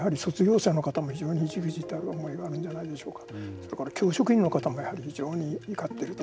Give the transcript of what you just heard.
卒業者の方も非常にじくじたる思いがあるんじゃないでしょうか。